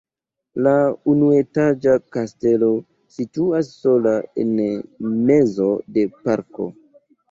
La unuetaĝa kastelo situas sola en mezo de parko.